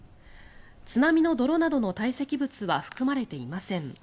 津波の泥などのたい積物は含まれていません。